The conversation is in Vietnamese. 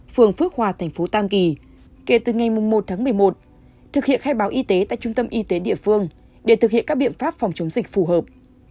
phường phước hòa thành phố tam kỳ kể từ ngày một tháng một mươi một thực hiện khai báo y tế tại trung tâm y tế địa phương để thực hiện các biện pháp phòng chống dịch phù hợp